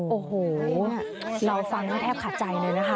โอ้โหเราฟังแล้วแทบขาดใจเลยนะคะ